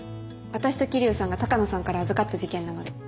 私と桐生さんが鷹野さんから預かった事件なので。